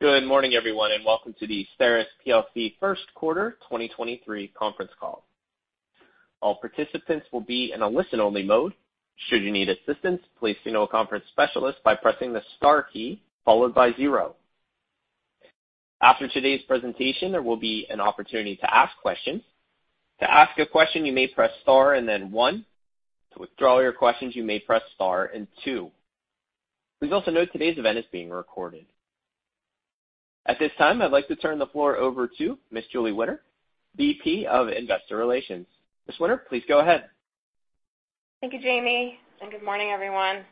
Good morning, everyone, and welcome to the STERIS plc first quarter 2023 conference call. All participants will be in a listen-only mode. Should you need assistance, please signal a conference specialist by pressing the star key followed by zero. After today's presentation, there will be an opportunity to ask questions. To ask a question, you may press star and then one. To withdraw your questions, you may press star and two. Please also note today's event is being recorded. At this time, I'd like to turn the floor over to Ms. Julie Winter, VP of Investor Relations. Ms. Winter, please go ahead. Thank you, Jamie, and good morning, everyone.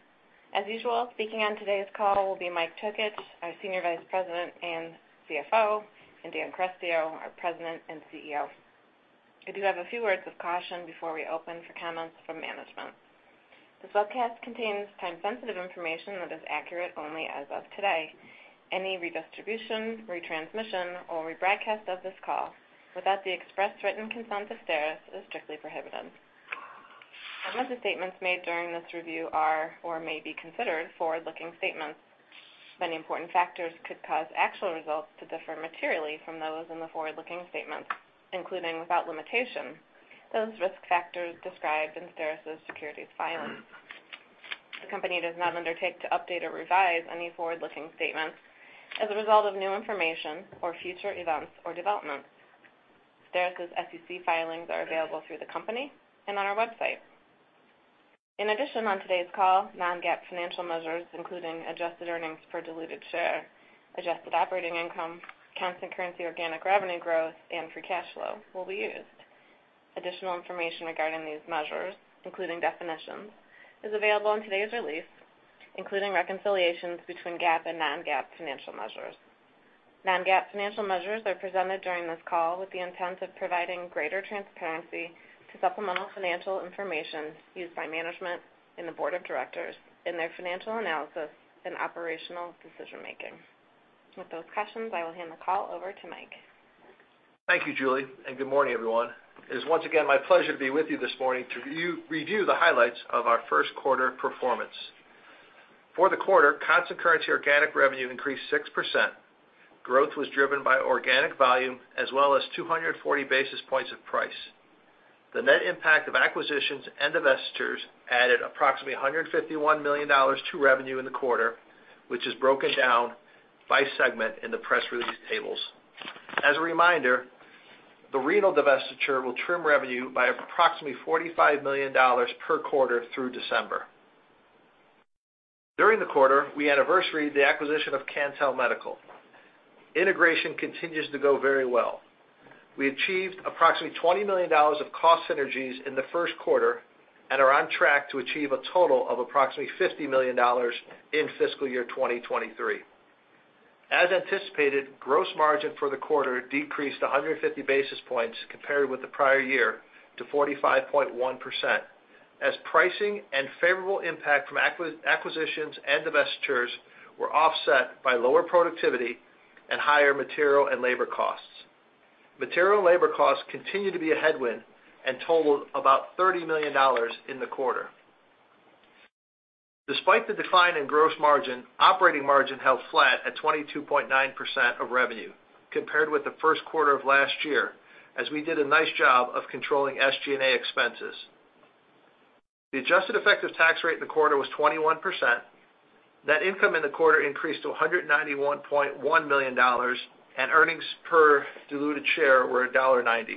As usual, speaking on today's call will be Mike Tokich, our Senior Vice President and CFO, and Dan Carestio, our President and CEO. I do have a few words of caution before we open for comments from management. This broadcast contains time-sensitive information that is accurate only as of today. Any redistribution, retransmission, or rebroadcast of this call without the express written consent of STERIS is strictly prohibited. Certain statements made during this review are or may be considered forward-looking statements. Many important factors could cause actual results to differ materially from those in the forward-looking statements, including, without limitation, those risk factors described in STERIS' securities filings. The company does not undertake to update or revise any forward-looking statements as a result of new information, or future events, or developments. STERIS' SEC filings are available through the company and on our website. In addition, on today's call, non-GAAP financial measures, including adjusted earnings per diluted share, adjusted operating income, constant currency organic revenue growth, and free cash flow, will be used. Additional information regarding these measures, including definitions, is available in today's release, including reconciliations between GAAP and non-GAAP financial measures. Non-GAAP financial measures are presented during this call with the intent of providing greater transparency to supplemental financial information used by management and the board of directors in their financial analysis and operational decision-making. With those cautions, I will hand the call over to Mike. Thank you, Julie, and good morning, everyone. It is once again my pleasure to be with you this morning to review the highlights of our first quarter performance. For the quarter, constant currency organic revenue increased 6%. Growth was driven by organic volume as well as 240 basis points of price. The net impact of acquisitions and divestitures added approximately $151 million to revenue in the quarter, which is broken down by segment in the press release tables. As a reminder, the renal divestiture will trim revenue by approximately $45 million per quarter through December. During the quarter, we anniversaried the acquisition of Cantel Medical. Integration continues to go very well. We achieved approximately $20 million of cost synergies in the first quarter and are on track to achieve a total of approximately $50 million in fiscal year 2023. As anticipated, gross margin for the quarter decreased 150 basis points compared with the prior year to 45.1% as pricing and favorable impact from acquisitions and divestitures were offset by lower productivity and higher material and labor costs. Material and labor costs continue to be a headwind and totaled about $30 million in the quarter. Despite the decline in gross margin, operating margin held flat at 22.9% of revenue compared with the first quarter of last year, as we did a nice job of controlling SG&A expenses. The adjusted effective tax rate in the quarter was 21%. Net income in the quarter increased to $191.1 million, and earnings per diluted share were $1.90.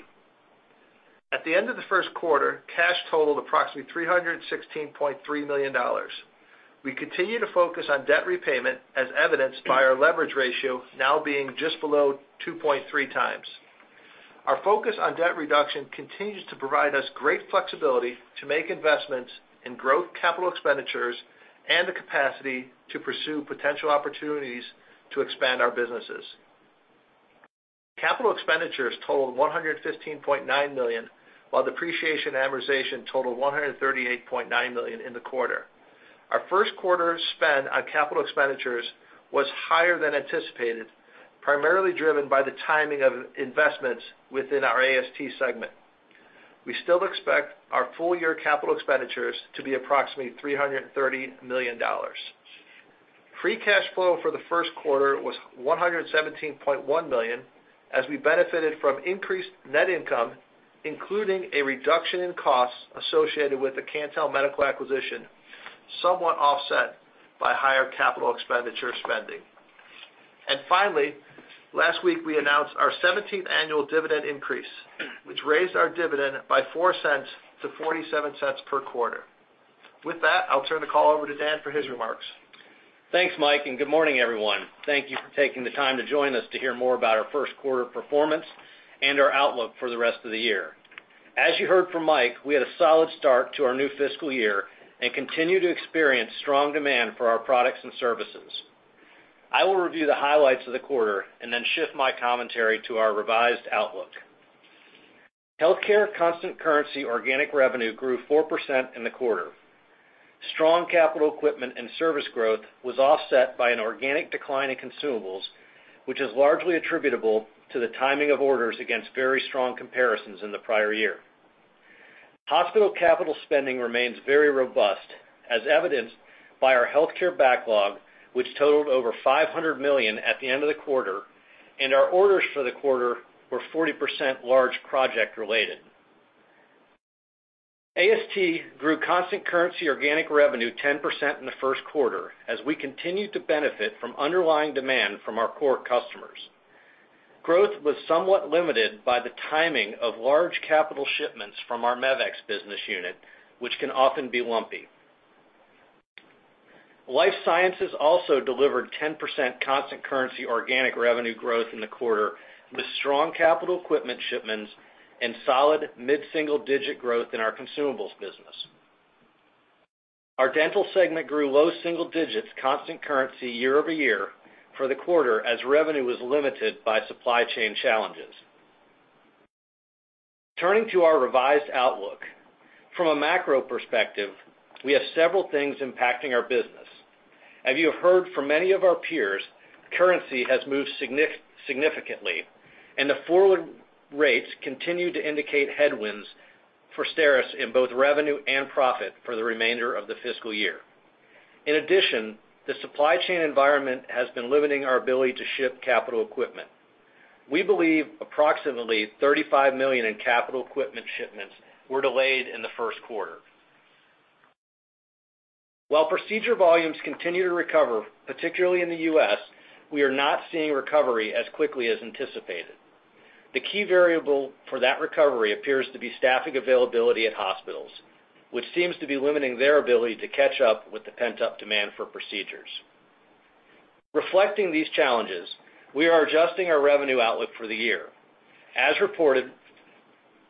At the end of the first quarter, cash totaled approximately $316.3 million. We continue to focus on debt repayment, as evidenced by our leverage ratio now being just below 2.3x. Our focus on debt reduction continues to provide us great flexibility to make investments in growth, capital expenditures, and the capacity to pursue potential opportunities to expand our businesses. Capital expenditures totaled $115.9 million, while depreciation and amortization totaled $138.9 million in the quarter. Our first quarter spend on capital expenditures was higher than anticipated, primarily driven by the timing of investments within our AST segment. We still expect our full-year capital expenditures to be approximately $330 million. Free cash flow for the first quarter was $117.1 million, as we benefited from increased net income, including a reduction in costs associated with the Cantel Medical acquisition, somewhat offset by higher capital expenditure spending. Finally, last week, we announced our seventeenth annual dividend increase, which raised our dividend by $0.04 to $0.47 per quarter. With that, I'll turn the call over to Dan for his remarks. Thanks, Mike, and good morning, everyone. Thank you for taking the time to join us to hear more about our first quarter performance and our outlook for the rest of the year. As you heard from Mike, we had a solid start to our new fiscal year and continue to experience strong demand for our products and services. I will review the highlights of the quarter and then shift my commentary to our revised outlook. Healthcare constant currency organic revenue grew 4% in the quarter. Strong capital equipment and service growth was offset by an organic decline in consumables, which is largely attributable to the timing of orders against very strong comparisons in the prior year. Hospital capital spending remains very robust, as evidenced by our healthcare backlog, which totaled over $500 million at the end of the quarter, and our orders for the quarter were 40% large project-related. AST grew constant currency organic revenue 10% in the first quarter as we continued to benefit from underlying demand from our core customers. Growth was somewhat limited by the timing of large capital shipments from our Mevex business unit, which can often be lumpy. Life sciences also delivered 10% constant currency organic revenue growth in the quarter, with strong capital equipment shipments and solid mid-single-digit growth in our consumables business. Our dental segment grew low single digits constant currency year-over-year for the quarter as revenue was limited by supply chain challenges. Turning to our revised outlook. From a macro perspective, we have several things impacting our business. As you have heard from many of our peers, currency has moved significantly, and the forward rates continue to indicate headwinds for STERIS in both revenue and profit for the remainder of the fiscal year. In addition, the supply chain environment has been limiting our ability to ship capital equipment. We believe approximately $35 million in capital equipment shipments were delayed in the first quarter. While procedure volumes continue to recover, particularly in the U.S., we are not seeing recovery as quickly as anticipated. The key variable for that recovery appears to be staffing availability at hospitals, which seems to be limiting their ability to catch up with the pent-up demand for procedures. Reflecting these challenges, we are adjusting our revenue outlook for the year. As reported,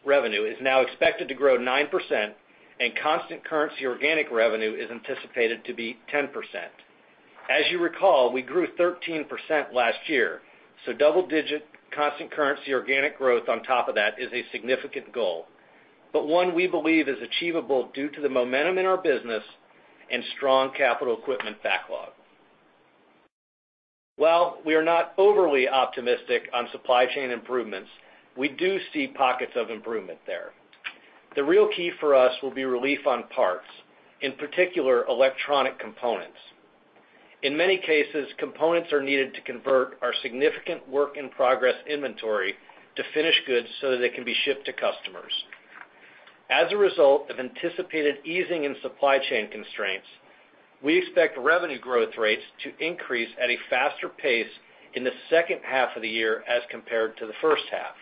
revenue is now expected to grow 9%, and constant currency organic revenue is anticipated to be 10%. As you recall, we grew 13% last year, so double-digit constant currency organic growth on top of that is a significant goal, but one we believe is achievable due to the momentum in our business and strong capital equipment backlog. While we are not overly optimistic on supply chain improvements, we do see pockets of improvement there. The real key for us will be relief on parts, in particular, electronic components. In many cases, components are needed to convert our significant work-in-progress inventory to finished goods so that they can be shipped to customers. As a result of anticipated easing in supply chain constraints, we expect revenue growth rates to increase at a faster pace in the second half of the year as compared to the first half.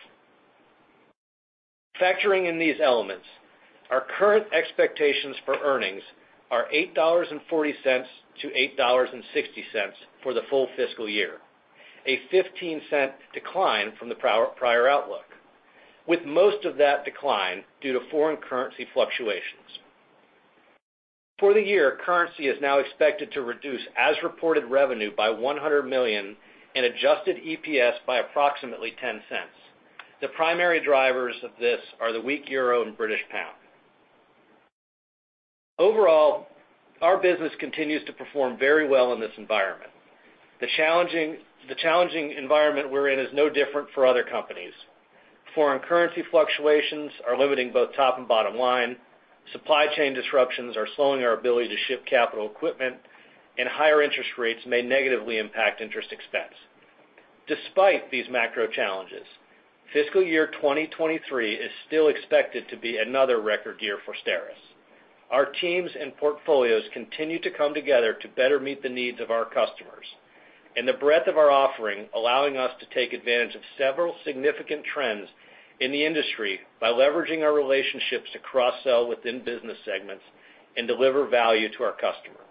Factoring in these elements, our current expectations for earnings are $8.40-$8.60 for the full fiscal year, a $0.15 decline from the prior outlook, with most of that decline due to foreign currency fluctuations. For the year, currency is now expected to reduce as-reported revenue by $100 million and adjusted EPS by approximately $0.10. The primary drivers of this are the weak euro and British pound. Overall, our business continues to perform very well in this environment. The challenging environment we're in is no different for other companies. Foreign currency fluctuations are limiting both top and bottom line, supply chain disruptions are slowing our ability to ship capital equipment, and higher interest rates may negatively impact interest expense. Despite these macro challenges, fiscal year 2023 is still expected to be another record year for STERIS. Our teams and portfolios continue to come together to better meet the needs of our customers, and the breadth of our offering allowing us to take advantage of several significant trends in the industry by leveraging our relationships to cross-sell within business segments and deliver value to our customer.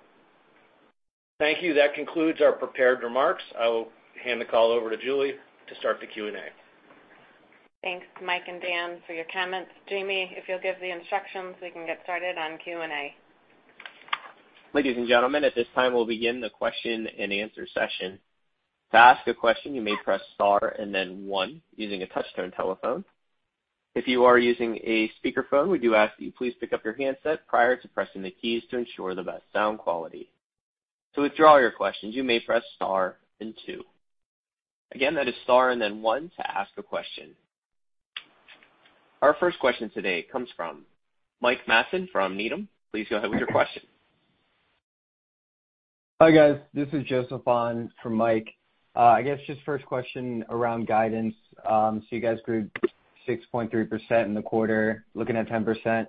Thank you. That concludes our prepared remarks. I will hand the call over to Julie to start the Q&A. Thanks, Mike and Dan, for your comments. Jamie, if you'll give the instructions, we can get started on Q&A. Ladies and gentlemen, at this time, we'll begin the question-and-answer session. To ask a question, you may press star and then one using a touch-tone telephone. If you are using a speakerphone, we do ask that you please pick up your handset prior to pressing the keys to ensure the best sound quality. To withdraw your questions, you may press star and two. Again, that is star and then one to ask a question. Our first question today comes from Mike Matson from Needham. Please go ahead with your question. Hi, guys. This is Joseph on for Mike. I guess just first question around guidance. So you guys grew 6.3% in the quarter, looking at 10%.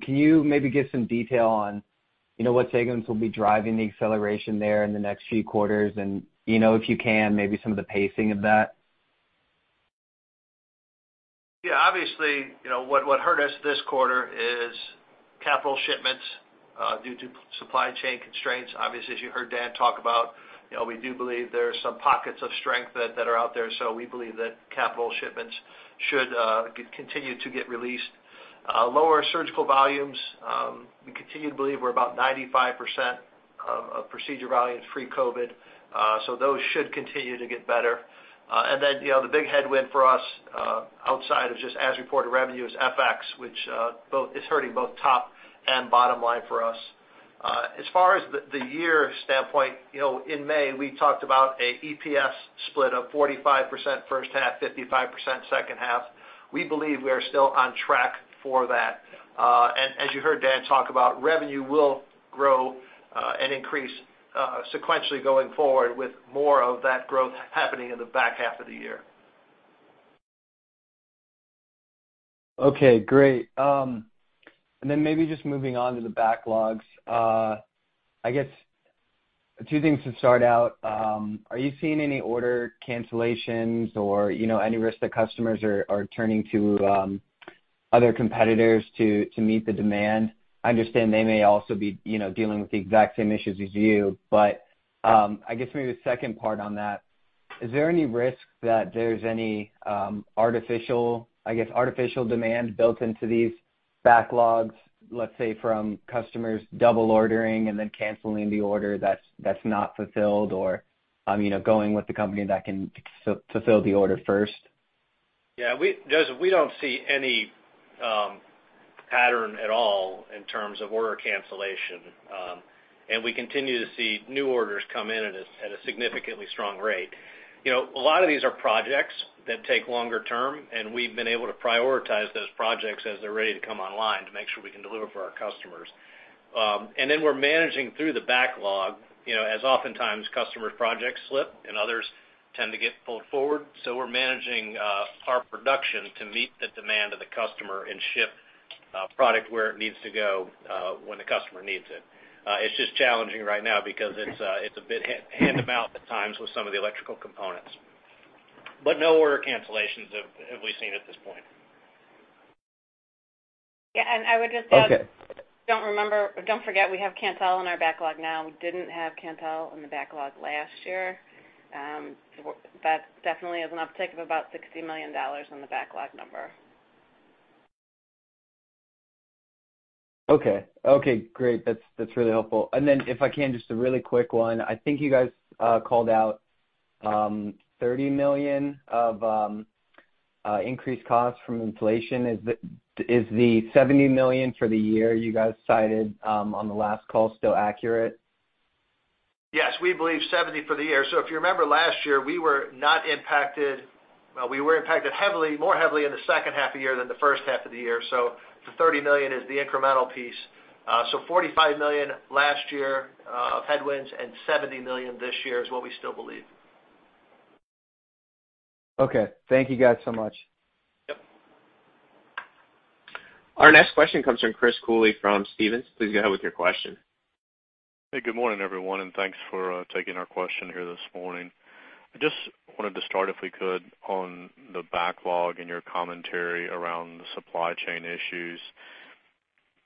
Can you maybe give some detail on what segments will be driving the acceleration there in the next few quarters? You know, if you can, maybe some of the pacing of that. Yeah, obviously, what hurt us this quarter is capital shipments due to supply chain constraints. Obviously, as you heard Dan talk about, we do believe there are some pockets of strength that are out there, so we believe that capital shipments should continue to get released. Lower surgical volumes, we continue to believe we're about 95% of procedure volume pre-COVID, so those should continue to get better. Then, the big headwind for us outside of just as reported revenue is FX, which both it's hurting both top and bottom line for us. As far as the year standpoint, in May, we talked about an EPS split of 45% first half, 55% second half. We believe we are still on track for that. As you heard Dan talk about, revenue will grow and increase sequentially going forward, with more of that growth happening in the back half of the year. Okay, great. Maybe just moving on to the backlogs. I guess two things to start out. Are you seeing any order cancellations or, any risk that customers are turning to other competitors to meet the demand? I understand they may also be, dealing with the exact same issues as you. I guess maybe the second part on that. Is there any risk that there's any artificial, I guess, artificial demand built into these backlogs, let's say, from customers double-ordering and then canceling the order that's not fulfilled, or going with the company that can fulfill the order first? Joseph, we don't see any pattern at all in terms of order cancellation. We continue to see new orders come in at a significantly strong rate. You know, a lot of these are projects that take longer term, and we've been able to prioritize those projects as they're ready to come online to make sure we can deliver for our customers. We're managing through the backlog, as oftentimes customer projects slip and others tend to get pulled forward. We're managing our production to meet the demand of the customer and ship product where it needs to go when the customer needs it. It's just challenging right now because it's a bit hand-to-mouth at times with some of the electrical components. No order cancellations have we seen at this point. Yeah. I would just add, don't forget we have Cantel in our backlog now. We didn't have Cantel in the backlog last year. That definitely is an uptick of about $60 million on the backlog number. Okay, great. That's really helpful. Then, if I can, just a really quick one. I think you guys called out $30 million of increased costs from inflation. Is the $70 million for the year you guys cited on the last call still accurate? Yes, we believe $70 million for the year. If you remember last year, we were impacted heavily, more heavily in the second half of the year than the first half of the year. The $30 million is the incremental piece. $45 million last year of headwinds and $70 million this year is what we still believe. Okay. Thank you, guys so much. Yep. Our next question comes from Chris Cooley from Stephens. Please go ahead with your question. Hey, good morning, everyone, and thanks for taking our question here this morning. I just wanted to start, if we could, on the backlog and your commentary around the supply chain issues.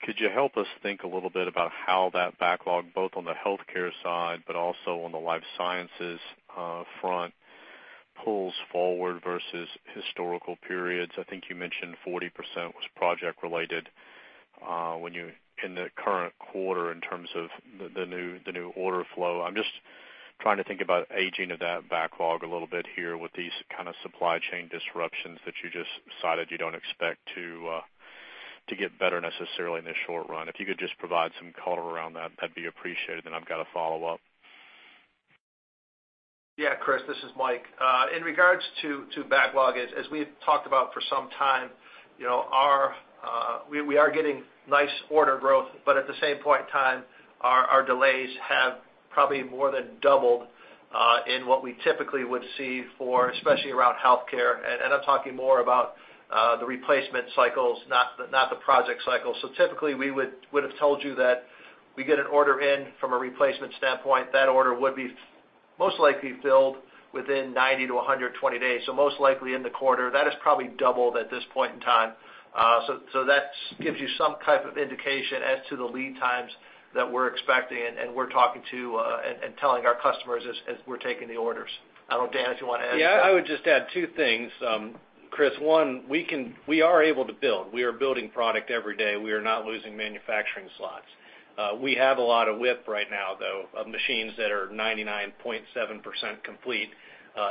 Could you help us think a little bit about how that backlog, both on the healthcare side but also on the life sciences front, pulls forward versus historical periods? I think you mentioned 40% was project-related in the current quarter in terms of the new order flow. I'm just trying to think about aging of that backlog a little bit here with these kind of supply chain disruptions that you just cited you don't expect to get better necessarily in the short run. If you could just provide some color around that'd be appreciated, then I've got a follow-up. Yeah, Chris, this is Mike. In regards to backlogs, as we've talked about for some time, we are getting nice order growth, but at the same point in time, our delays have probably more than doubled in what we typically would see, especially around healthcare, and I'm talking more about the replacement cycles, not the project cycle. Typically, we would have told you that we get an order in from a replacement standpoint. That order would be most likely filled within 90 to 120 days, so most likely in the quarter. That has probably doubled at this point in time. That gives you some type of indication as to the lead times that we're expecting and we're talking to and telling our customers as we're taking the orders. I don't know, Dan, if you wanna add. Yeah, I would just add two things, Chris. One, we are able to build. We are building product every day. We are not losing manufacturing slots. We have a lot of WIP right now, though, of machines that are 99.7% complete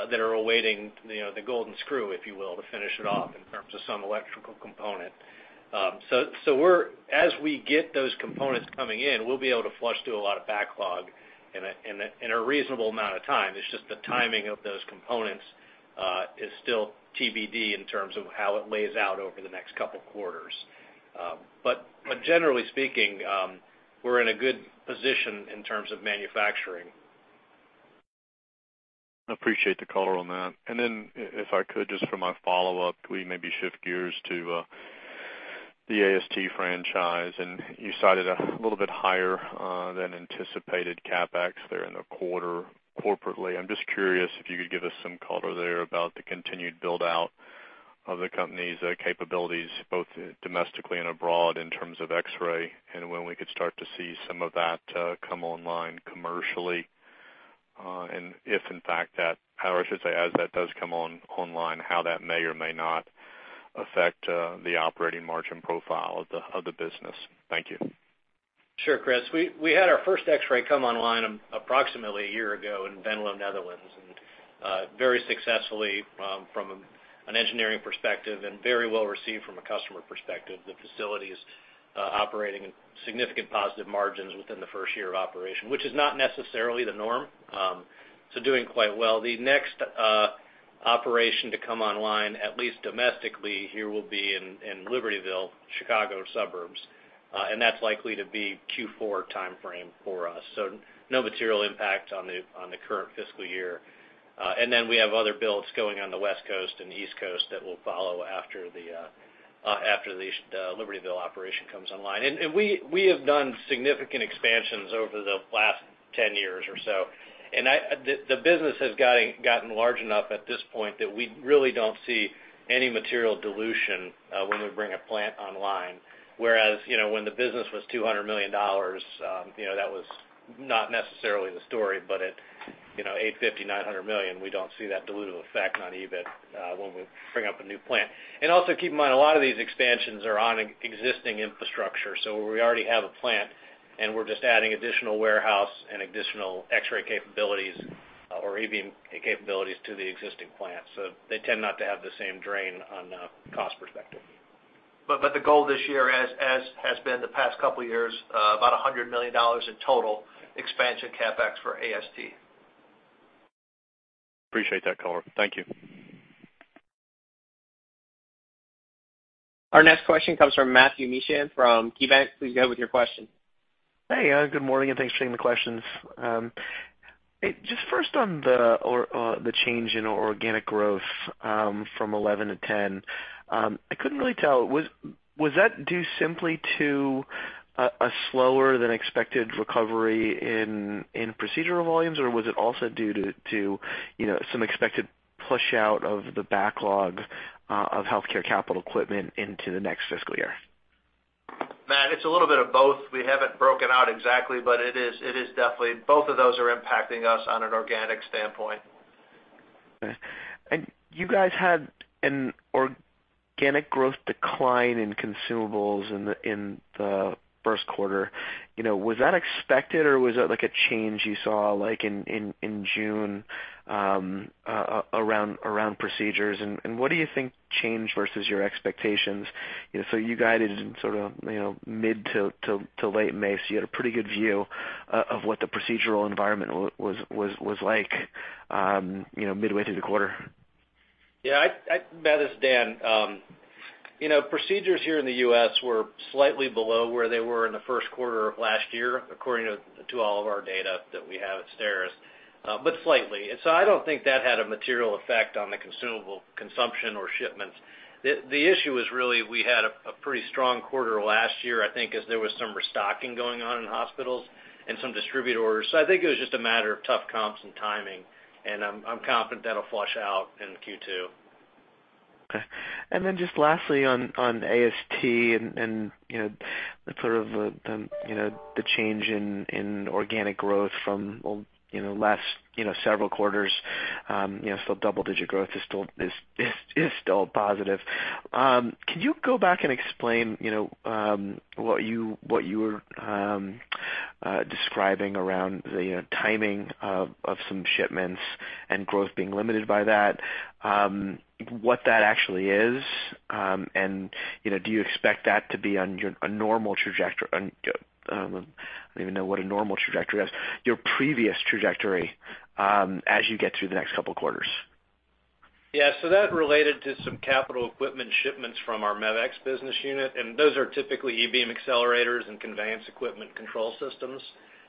that are awaiting, the golden screw, if you will, to finish it off in terms of some electrical component. As we get those components coming in, we'll be able to flush through a lot of backlog in a reasonable amount of time. It's just the timing of those components is still TBD in terms of how it lays out over the next couple quarters. Generally speaking, we're in a good position in terms of manufacturing. Appreciate the color on that. If I could just for my follow-up, can we maybe shift gears to the AST franchise? You cited a little bit higher than anticipated CapEx there in the quarter corporately. I'm just curious if you could give us some color there about the continued build-out of the company's capabilities, both domestically and abroad, in terms of X-ray, and when we could start to see some of that come online commercially. If, in fact, that, or I should say, as that does come online, how that may or may not affect the operating margin profile of the business. Thank you. Sure, Chris. We had our first X-ray come online approximately a year ago in Venlo, Netherlands, and very successfully from an engineering perspective and very well received from a customer perspective, the facility's operating in significant positive margins within the first year of operation, which is not necessarily the norm. Doing quite well. The next operation to come online, at least domestically here, will be in Libertyville, Chicago suburbs, and that's likely to be Q4 timeframe for us. No material impact on the current fiscal year. Then we have other builds going on the West Coast and the East Coast that will follow after the Libertyville operation comes online. We have done significant expansions over the last ten years or so. The business has gotten large enough at this point that we really don't see any material dilution when we bring a plant online. Whereas, when the business was $200 million, that was not necessarily the story, but at $850 million-$900 million, we don't see that dilutive effect on EBIT when we bring up a new plant. Also, keep in mind, a lot of these expansions are on existing infrastructure, so we already have a plant, and we're just adding additional warehouse and additional X-ray capabilities or EO capabilities to the existing plant. They tend not to have the same drain on the cost perspective. The goal this year, as has been the past couple of years, about $100 million in total expansion CapEx for AST. Appreciate that color. Thank you. Our next question comes from Matthew Mishan from KeyBanc. Please go with your question. Hey, good morning, and thanks for taking the questions. Just first on the change in organic growth from 11% to 10%, I couldn't really tell. Was that due simply to a slower-than-expected recovery in procedural volumes, or was it also due to, some expected push out of the backlog of healthcare capital equipment into the next fiscal year? Matt, it's a little bit of both. We haven't broken out exactly, but it is definitely both of those are impacting us on an organic standpoint. Okay. You guys had an organic growth decline in consumables in the first quarter. You know, was that expected, or was that like a change you saw, like in June, around procedures? What do you think changed versus your expectations? You guided in sort of, mid to late May, so you had a pretty good view of what the procedural environment was like midway through the quarter. Yeah, Matt, this is Dan. You know, procedures here in the U.S. were slightly below where they were in the first quarter of last year, according to all of our data that we have at STERIS, but slightly. I don't think that had a material effect on the consumable consumption or shipments. The issue is really we had a pretty strong quarter last year, I think, as there was some restocking going on in hospitals and some distributor orders. I think it was just a matter of tough comps and timing, and I'm confident that'll flush out in Q2. Okay. Then just lastly on AST, the change in organic growth from last several quarters still double-digit growth is still positive. Can you go back and explain what you were describing around the timing of some shipments and growth being limited by that, what that actually is and, do you expect that to be on a normal trajectory? I don't even know what a normal trajectory is. Your previous trajectory as you get through the next couple quarters. Yeah. That related to some capital equipment shipments from our Mevex business unit, and those are typically E-beam accelerators and conveyance equipment control systems.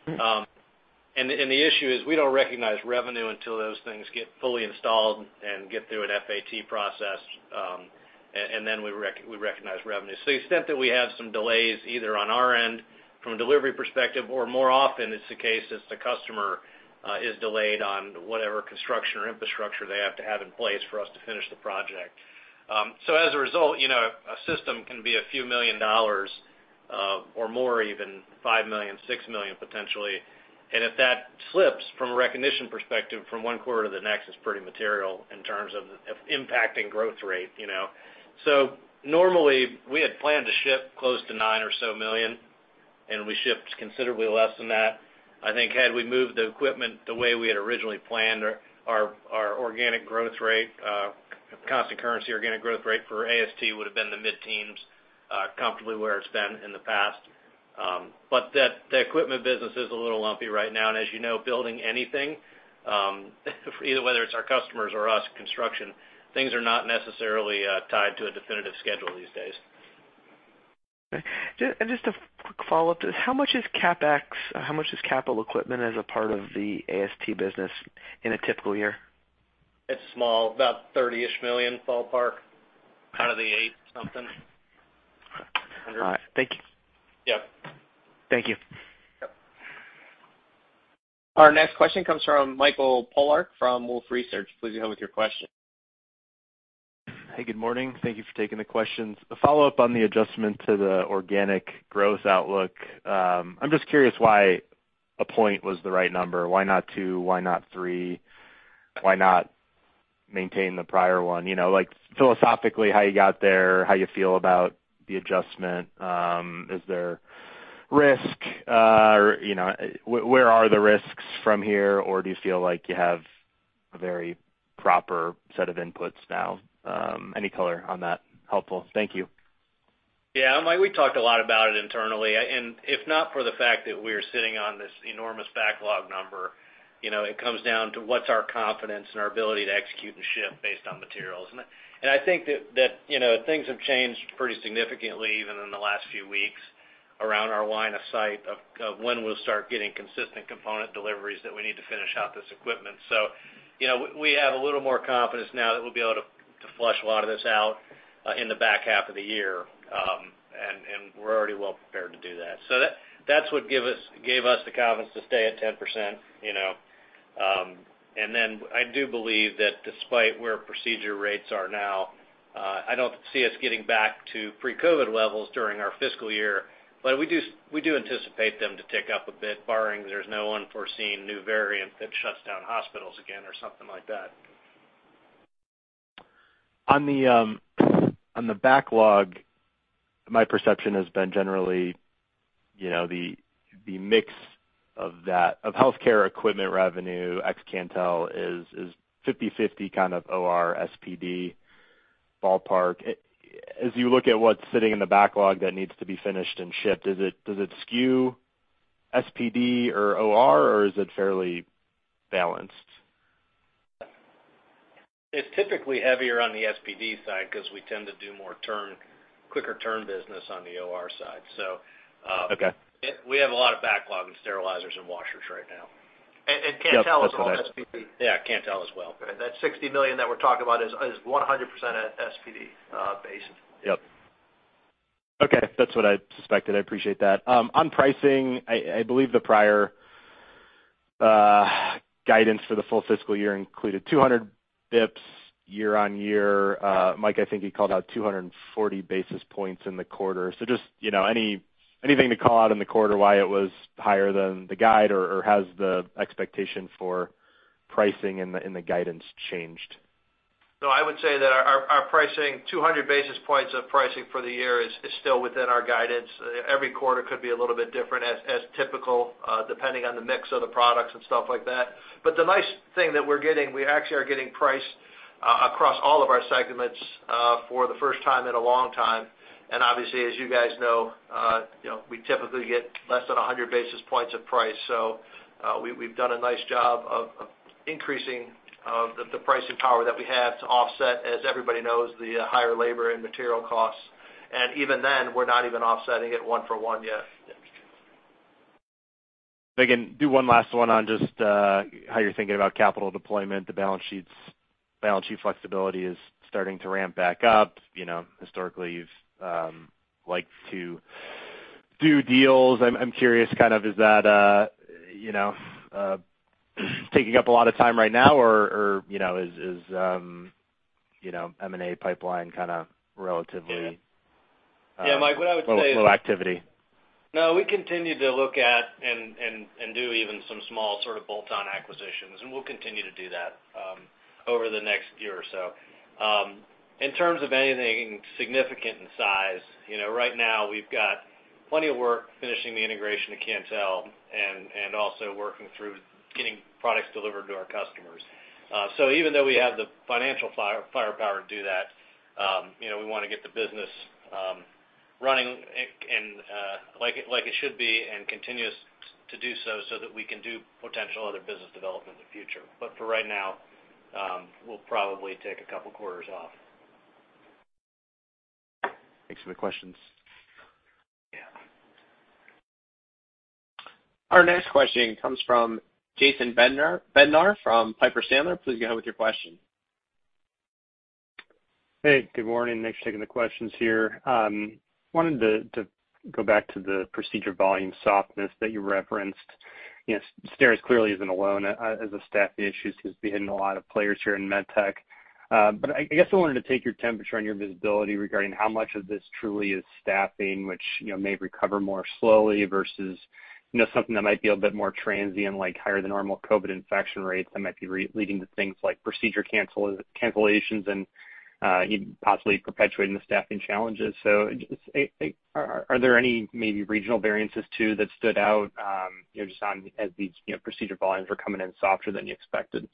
The issue is we don't recognize revenue until those things get fully installed and get through an FAT process, and then we recognize revenue. To the extent that we have some delays, either on our end from a delivery perspective or more often it's the case it's the customer is delayed on whatever construction or infrastructure they have to have in place for us to finish the project. As a result, a system can be a few million dollars or more, even $5 million, $6 million potentially. If that slips from a recognition perspective from one quarter to the next, it's pretty material in terms of impacting growth rate. Normally, we had planned to ship close to 9 or so million, and we shipped considerably less than that. I think had we moved the equipment the way we had originally planned, our organic growth rate, constant currency organic growth rate for AST would have been the mid-teens, comfortably where it's been in the past. The equipment business is a little lumpy right now, and as you know, building anything, either whether it's our customers or us, construction, things are not necessarily tied to a definitive schedule these days. Just a quick follow-up to this. How much is CapEx? How much is capital equipment as a part of the AST business in a typical year? It's small, about $30-ish million, ballpark, out of the 8-something. All right. Thank you. Yeah. Thank you. Yep. Our next question comes from Michael Polark from Wolfe Research. Please go with your question. Hey, good morning. Thank you for taking the questions. A follow-up on the adjustment to the organic growth outlook. I'm just curious why a point was the right number. Why not two? Why not three? Why not maintain the prior one? You know, like, philosophically, how you got there, how you feel about the adjustment, is there risk? You know, where are the risks from here, or do you feel like you have a very proper set of inputs now? Any color on that helpful. Thank you. Yeah. Mike, we talked a lot about it internally, and if not for the fact that we are sitting on this enormous backlog number, it comes down to what's our confidence and our ability to execute and ship based on materials. I think that things have changed pretty significantly, even in the last few weeks, around our line of sight of when we'll start getting consistent component deliveries that we need to finish out this equipment. You know, we have a little more confidence now that we'll be able to flush a lot of this out in the back half of the year, and we're already well prepared to do that. That's what gave us the confidence to stay at 10%. I do believe that despite where procedure rates are now, I don't see us getting back to pre-COVID levels during our fiscal year, but we do anticipate them to tick up a bit, barring there's no unforeseen new variant that shuts down hospitals again or something like that. On the backlog, my perception has been generally the mix of that of healthcare equipment revenue ex Cantel, is 50/50 kind of OR SPD ballpark. As you look at what's sitting in the backlog that needs to be finished and shipped, does it skew SPD or OR, or is it fairly balanced? It's typically heavier on the SPD side because we tend to do more turn, quicker turn business on the OR side. Okay We have a lot of backlog in sterilizers and washers right now. Yep. Cantel is all SPD. Yeah, Cantel as well. That $60 million that we're talking about is 100% SPD based. Yep. Okay. That's what I suspected. I appreciate that. On pricing, I believe the prior guidance for the full fiscal year included 200 basis points year-over-year. Mike, I think you called out 240 basis points in the quarter. So, just anything to call out in the quarter why it was higher than the guide or has the expectation for pricing in the guidance changed? No, I would say that our pricing, 200 basis points of pricing for the year is still within our guidance. Every quarter could be a little bit different as typical, depending on the mix of the products and stuff like that. The nice thing that we're getting, we actually are getting price across all of our segments for the first time in a long time. Obviously, as you guys know, we typically get less than 100 basis points of price. We've done a nice job of increasing the pricing power that we have to offset, as everybody knows, the higher labor and material costs. Even then, we're not even offsetting it one for one yet. Megan, do one last one on just how you're thinking about capital deployment. The balance sheet flexibility is starting to ramp back up. You know, historically, you've liked to do deals. I'm curious, kind of is that taking up a lot of time right now, is M&A pipeline kind of relatively- Yeah, Mike, what I would say is. low activity. No, we continue to look at and do even some small sort of bolt-on acquisitions, and we'll continue to do that over the next year or so. In terms of anything significant in size, right now we've got plenty of work finishing the integration of Cantel and also working through getting products delivered to our customers. Even though we have the financial firepower to do that, we wanna get the business running and like it should be, and continuous to do so that we can do potential other business development in the future. For right now, we'll probably take a couple quarters off. Thanks for the questions. Yeah. Our next question comes from Jason Bednar from Piper Sandler. Please go ahead with your question. Hey, good morning. Thanks for taking the questions here. Wanted to go back to the procedure volume softness that you referenced. You know, STERIS clearly isn't alone as the staffing issues has bitten a lot of players here in med tech. But I guess I wanted to take your temperature and your visibility regarding how much of this truly is staffing, which may recover more slowly versus, something that might be a bit more transient, like higher than normal COVID infection rates that might be leading to things like procedure cancellations and possibly perpetuating the staffing challenges. Just, are there any maybe regional variances too that stood out just on as these procedure volumes are coming in softer than you expected? Yeah,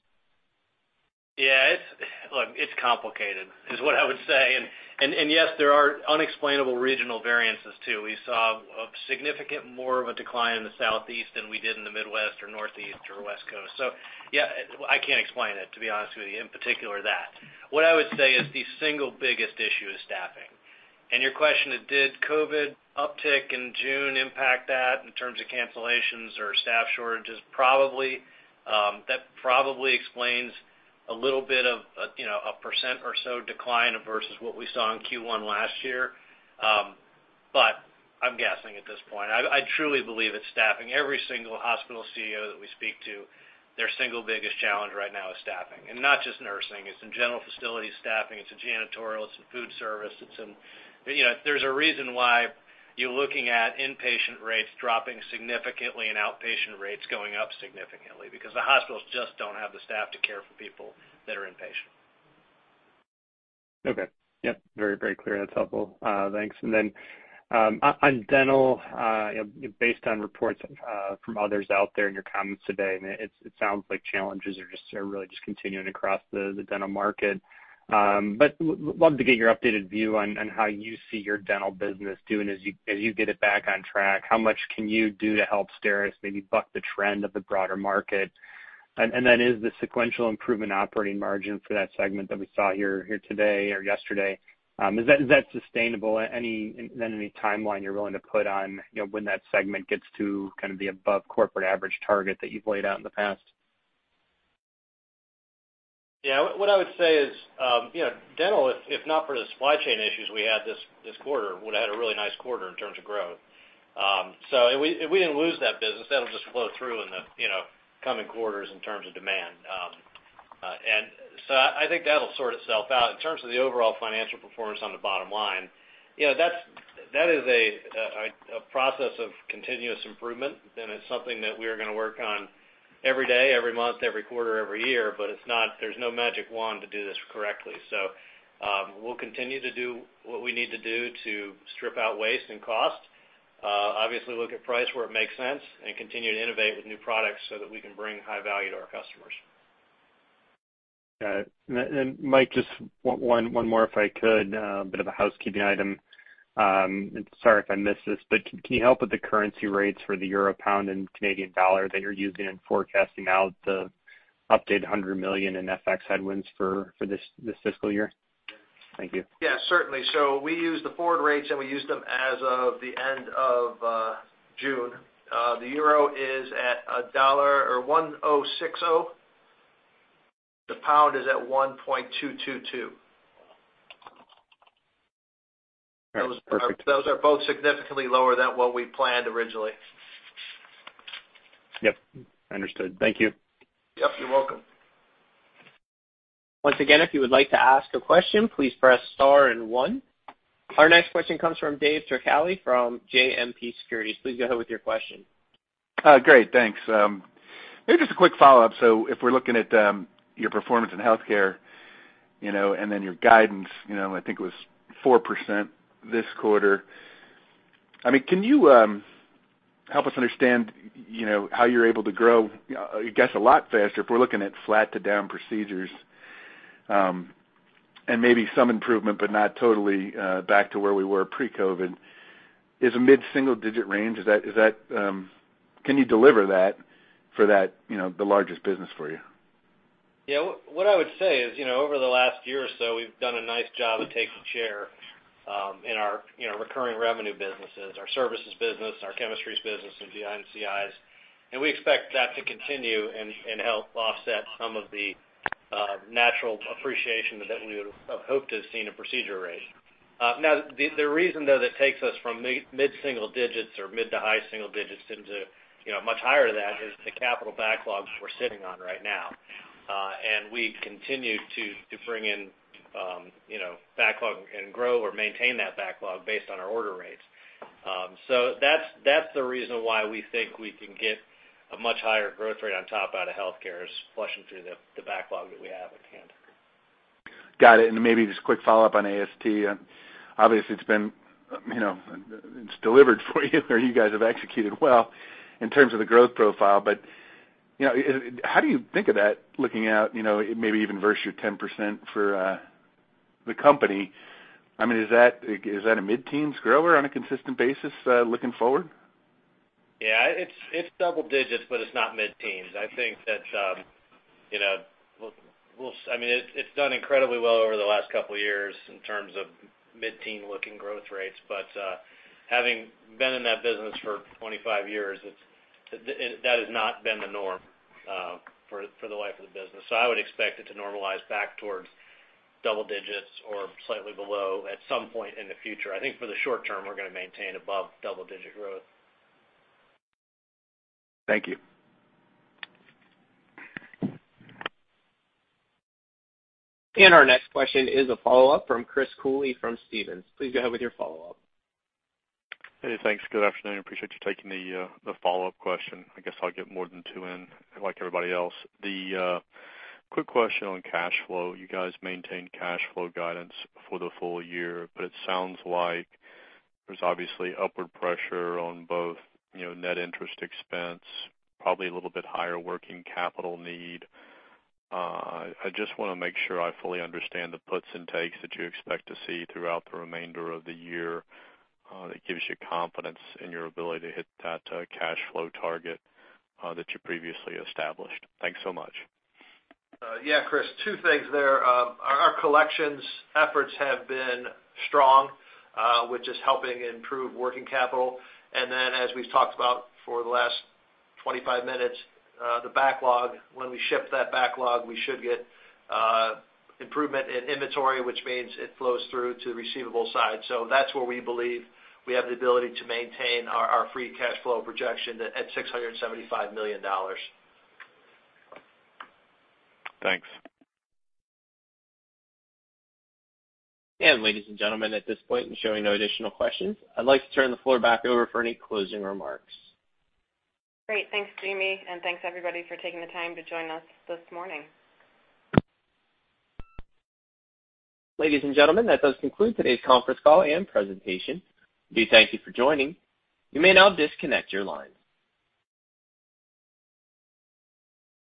look, it's complicated, is what I would say. Yes, there are unexplainable regional variances too. We saw a significant more of a decline in the Southeast than we did in the Midwest, or Northeast, or West Coast. Yeah, I can't explain it, to be honest with you, in particular that. What I would say is the single biggest issue is staffing. Your question is, did COVID uptick in June impact that in terms of cancellations or staff shortages? Probably. That probably explains a little bit of, 1% or so decline versus what we saw in Q1 last year. But I'm guessing at this point. I truly believe it's staffing. Every single hospital CEO that we speak to, their single biggest challenge right now is staffing. Not just nursing, it's in general facility staffing. It's in janitorial, it's in food service. You know, there's a reason why you're looking at inpatient rates dropping significantly and outpatient rates going up significantly, because the hospitals just don't have the staff to care for people that are inpatient. Okay. Yep. Very clear. That's helpful. Thanks. Then, on dental, based on reports from others out there in your comments today, and it sounds like challenges are really just continuing across the dental market. But would love to get your updated view on how you see your dental business doing as you get it back on track. How much can you do to help STERIS, maybe buck the trend of the broader market? Then, is the sequential improvement operating margin for that segment that we saw here today or yesterday, is that sustainable? And any timeline you're willing to put on, when that segment gets to kind of be above corporate average target that you've laid out in the past. Yeah. What I would say is dental, if not for the supply chain issues we had this quarter, would've had a really nice quarter in terms of growth. We didn't lose that business. That'll just flow through in the coming quarters in terms of demand. I think that'll sort itself out. In terms of the overall financial performance on the bottom line, that is a process of continuous improvement, and it's something that we are gonna work on every day, every month, every quarter, every year, but there's no magic wand to do this correctly. We'll continue to do what we need to do to strip out waste and cost, obviously look at price where it makes sense, and continue to innovate with new products so that we can bring high value to our customers. Got it. Mike, just one more, if I could. A bit of a housekeeping item. Sorry if I missed this. Can you help with the currency rates for the euro, pound, and Canadian dollar that you're using in forecasting out the updated $100 million in FX headwinds for this fiscal year? Thank you. Yeah, certainly. We use the forward rates, and we use them as of the end of June. The euro is at $1.06. The pound is at $1.222. All right. Perfect. Those are both significantly lower than what we planned originally. Yep. Understood. Thank you. Yep, you're welcome. Once again, if you would like to ask a question, please press star and one. Our next question comes from Dave Turkaly from JMP Securities. Please go ahead with your question. Great, thanks. Maybe just a quick follow-up. If we're looking at your performance in healthcare, and then your guidance, I think it was 4% this quarter. I mean, can you help us understand how you're able to grow, I guess, a lot faster if we're looking at flat to down procedures, and maybe some improvement, but not totally back to where we were pre-COVID? Is a mid-single digit range, is that... Can you deliver that for that the largest business for you? Yeah. What I would say is, over the last year or so, we've done a nice job of taking share in our, recurring revenue businesses, our services business, our chemistries business in VIs and CIs. We expect that to continue and help offset some of the natural appreciation that we would have hoped to have seen in procedure rates. Now the reason though, that takes us from mid single digits or mid to high single digits into much higher than that is the capital backlogs we're sitting on right now. We continue to bring in backlog and grow or maintain that backlog based on our order rates. That's the reason why we think we can get a much higher growth rate on top out of healthcare is flushing through the backlog that we have at hand. Got it. Maybe just a quick follow-up on AST. Obviously, it's delivered for you or you guys have executed well in terms of the growth profile. You know, how do you think of that looking out, maybe even versus your 10% for the company? I mean, is that a mid-teen grower on a consistent basis looking forward? Yeah. It's double digits, but it's not mid-teens. I think that, I mean, it's done incredibly well over the last couple of years in terms of mid-teen looking growth rates. Having been in that business for 25 years, that has not been the norm for the life of the business. I would expect it to normalize back towards double digits or slightly below at some point in the future. I think for the short term, we're gonna maintain above double-digit growth. Thank you. Our next question is a follow-up from Chris Cooley from Stephens. Please go ahead with your follow-up. Hey, thanks. Good afternoon. Appreciate you taking the follow-up question. I guess I'll get more than two in like everybody else. Quick question on cash flow. You guys maintained cash flow guidance for the full year, but it sounds like there's obviously upward pressure on both net interest expense, probably a little bit higher working capital need. I just wanna make sure I fully understand the puts and takes that you expect to see throughout the remainder of the year, that gives you confidence in your ability to hit that cash flow target that you previously established. Thanks so much. Yeah, Chris. Two things there. Our collections efforts have been strong, which is helping improve working capital. As we've talked about for the last 25 minutes, the backlog, when we ship that backlog, we should get improvement in inventory, which means it flows through to the receivable side. That's where we believe we have the ability to maintain our free cash flow projection at $675 million. Thanks. Ladies and gentlemen, at this point I'm showing no additional questions. I'd like to turn the floor back over for any closing remarks. Great. Thanks, Jamie, and thanks everybody for taking the time to join us this morning. Ladies and gentlemen, that does conclude today's conference call and presentation. We thank you for joining. You may now disconnect your line.